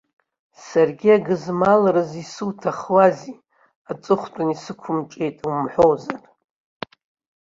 Саргьы агызмалразы исуҭахуазеи, аҵыхәтәаны исықәымҿиеит умҳәозар.